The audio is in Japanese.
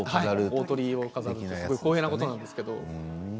大トリを飾るみたいな光栄なことなんですけれど。